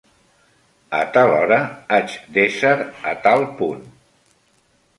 A tal hora haig d'ésser a tal punt